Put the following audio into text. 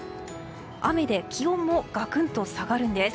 雨で気温もガクンと下がるんです。